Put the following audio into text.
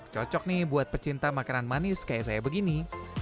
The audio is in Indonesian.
cocok nih buat pecinta makanan manis kayak saya begini